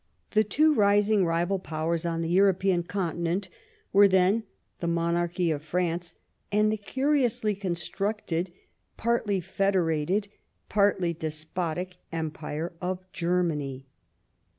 The two rising rival powers on the European conti nent were then the monarchy of France and the curi ously constructed, partly federated, partly despotic empire of Germany.